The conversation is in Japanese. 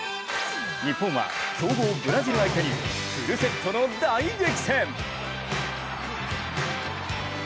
日本は強豪ブラジル相手にフルセットの大激戦。